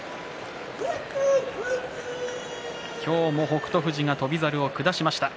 今日も北勝富士が翔猿を下しました。